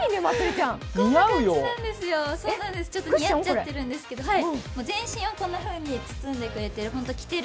ちょっと似合っちゃってるんですけど、全身をこんなふうに包んでくれている。